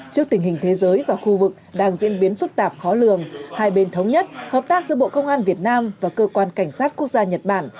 trước tình hình thế giới và khu vực đang diễn biến phức tạp khó lường hai bên thống nhất hợp tác giữa bộ công an việt nam và cơ quan cảnh sát quốc gia nhật bản